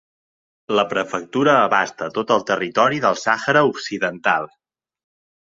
La prefectura abasta tot el territori del Sàhara Occidental.